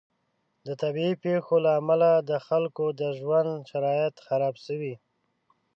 د طبعي پیښو له امله د خلکو د ژوند شرایط خراب شوي.